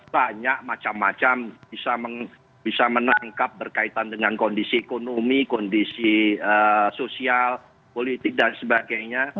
banyak macam macam bisa menangkap berkaitan dengan kondisi ekonomi kondisi sosial politik dan sebagainya